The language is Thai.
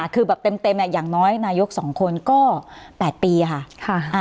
คือแบบเต็มอย่างน้อยนายก๒คนก็๘ปีค่ะ